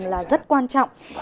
đó là rất quan trọng